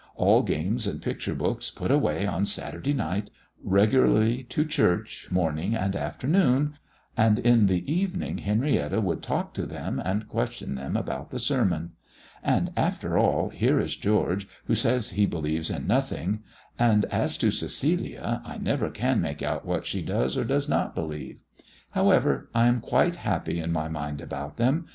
All games and picture books put away on Saturday night; regularly to church morning and afternoon, and in the evening Henrietta would talk to them and question them about the sermon. And after all, here is George who says he believes in nothing; and as to Cecilia, I never can make out what she does or does not believe. However, I am quite happy in my mind about them.